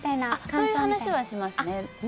そういう話はします。